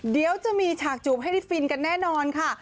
เดี๋ยวจะมีฉากจูบให้ได้ฟินกันแน่นอนค่ะ